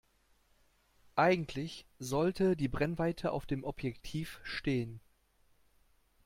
Eigentlich sollte die Brennweite auf dem Objektiv stehen.